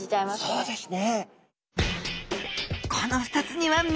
そうですね。